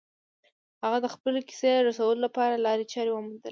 هغه د خپلې کیسې رسولو لپاره لارې چارې وموندلې